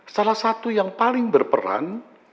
salah satu yang paling berperan